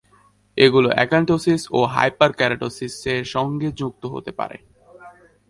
এগুলি অ্যাক্যান্থোসিস ও হাইপারকেরাটোসিসের সঙ্গে যুক্ত হতে পারে।